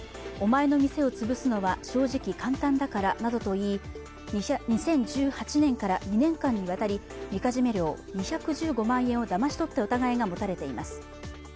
お前の店を潰すのは正直、簡単だからなどと言い２０１８年から２年間にわたりみかじめ料２１５万円をだまし取った疑いが持たれています。